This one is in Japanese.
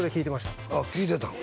ああ聞いてたん？